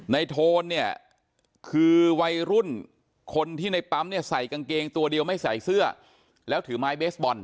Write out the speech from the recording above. โทนเนี่ยคือวัยรุ่นคนที่ในปั๊มเนี่ยใส่กางเกงตัวเดียวไม่ใส่เสื้อแล้วถือไม้เบสบอล